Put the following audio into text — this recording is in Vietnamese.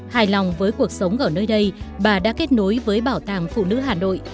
hài lòng với cuộc sống ở nơi đây bà đã kết nối với bảo tàng phụ nữ hà nội